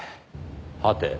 はて？